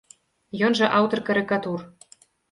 Ён жа аўтар карыкатур.